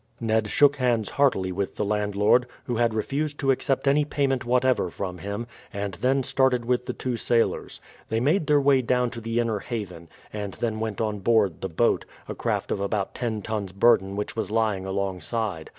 Ned shook hands heartily with the landlord, who had refused to accept any payment whatever from him, and then started with the two sailors. They made their way down to the inner haven, and then went on board the boat, a craft of about ten tons burden which was lying alongside.